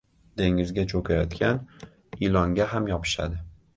• Dengizga cho‘kayotgan ilonga ham yopishadi.